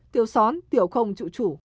tiểu xón tiểu không dự trù